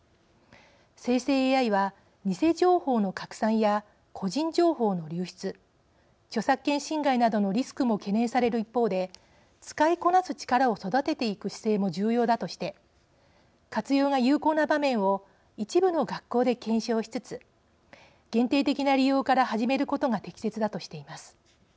生成ＡＩは偽情報の拡散や個人情報の流出著作権侵害などのリスクも懸念される一方で使いこなす力を育てていく姿勢も重要だとして活用が有効な場面を一部の学校で検証しつつ限定的な利用から始めることが適切だとしています。